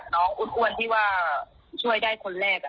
น้องอุ้นอ้วนที่ช่วยได้คนแรก